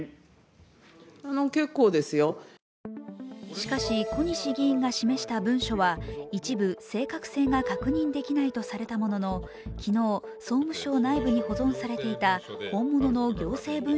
しかし、小西議員が示した文書は一部、正確性が確認できないとされたものの、昨日、覆个△舛磴鵝法あら！